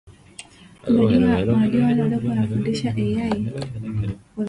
Manila was the only Club ever to be featured in "Architectural Digest".